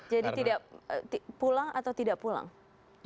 jadi pulang atau tidak pulang